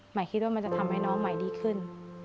คิดว่ามันจะทำให้น้องใหม่ดีขึ้น